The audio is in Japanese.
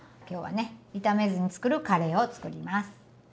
今日はね炒めずに作るカレーを作ります。